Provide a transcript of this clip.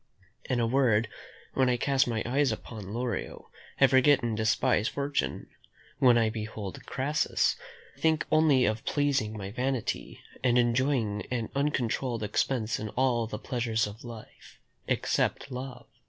In a word when I cast my eyes upon Lorio, I forget and despise fortune; when I behold Crassus, I think only of pleasing my vanity, and enjoying an uncontrolled expense in all the pleasures of life, except love."